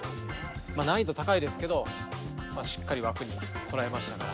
まあ難易度高いですけどしっかり枠に捉えましたから。